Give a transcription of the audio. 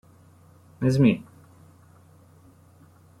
Ez mi?